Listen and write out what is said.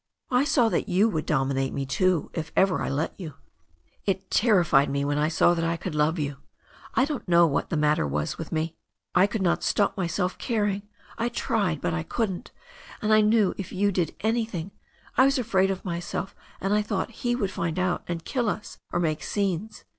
"I saw that you would dominate me too, if I ever let you. It terrified me when I saw that I could love you. I don't know what was the matter with me. I could not stop myself caring. I tried, but I couldn't and I knew if you did any thing — I was afraid of myself and I thought he would find out, and kill us, or make scenes.